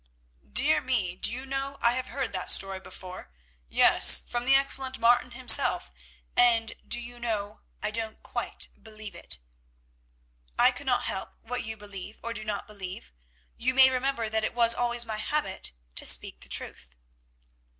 "Dear me! Do you know I have heard that story before; yes, from the excellent Martin himself—and, do you know, I don't quite believe it." "I cannot help what you believe or do not believe. You may remember that it was always my habit to speak the truth."